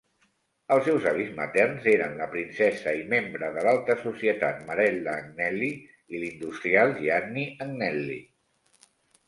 Els seus avis materns eren la princesa i membre de l'alta societat Marella Agnelli i l'industrial Gianni Agnelli.